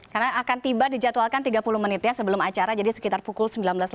karena akan tiba dijatuhkan tiga puluh menit ya sebelum acara jadi sekitar pukul sembilan belas tiga puluh